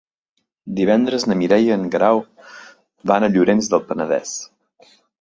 Divendres na Mireia i en Guerau van a Llorenç del Penedès.